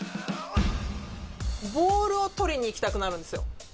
ボールを取りにいきたくなるんですよ。